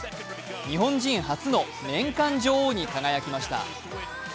日本人初の年間女王に輝きました。